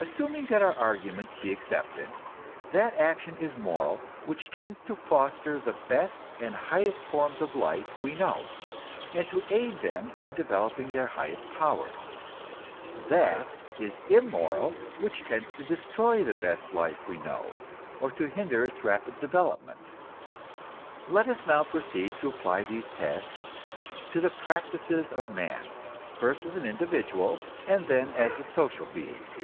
Assuming that our argument be accepted, that action is moral which tends to foster the best and highest forms of life we know, and to aid them in developing their highest powers; that is immoral which tends to destroy the best life we know, or to hinder its rapid development. Let us now proceed to apply these tests to the practices of man; first as an individual, and then as a social being.